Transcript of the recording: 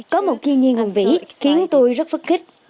có một kỳ nghiêng hùng vĩ khiến tôi rất phức kích